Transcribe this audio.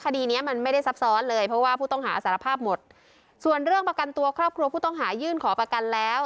คดีเนี้ยมันไม่ได้ซับซ้อนเลยเพราะว่าผู้ต้องหาสารภาพหมดส่วนเรื่องประกันตัวครอบครัวผู้ต้องหายื่นขอประกันแล้ว